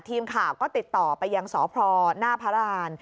ทีมข่าวก็ติดต่อไปยังสพหน้าพระราณ